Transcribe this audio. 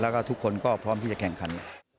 แล้วก็ทุกคนก็พร้อมที่จะแข่งขัน